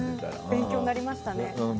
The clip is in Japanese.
勉強になりましたね。